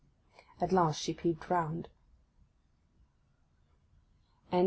At last she peeped round.